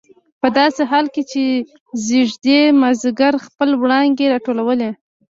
په داسې حال کې چې ځېږدي مازدیګر خپلې وړانګې راټولولې.